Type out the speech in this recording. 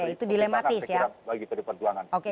itu dilematis ya